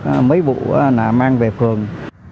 được mấy vụ là mang về phường